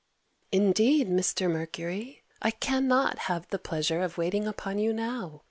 Mrs. Modish. Indeed, Mr. Mercury, I cannot have the pleasure of waiting upon you now.